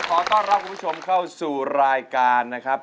ขอต้อนรับคุณผู้ชมเข้าสู่รายการนะครับ